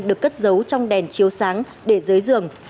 được cất giấu trong đèn chiếu sáng để dưới giường